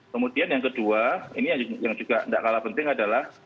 kemudian yang kedua ini yang juga tidak kalah penting adalah